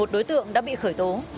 một mươi một đối tượng đã bị khởi tố